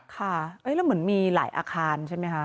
แล้วเหมือนมีหลายอาคารใช่มั้ยคะ